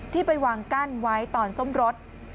ไปวางกั้นไว้ตอนซ่อมรถ